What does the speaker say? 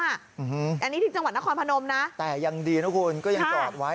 อันนี้ที่จังหวัดนครพนมนะแต่ยังดีนะคุณก็ยังจอดไว้